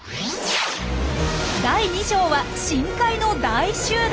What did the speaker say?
第２章は「深海の大集団」。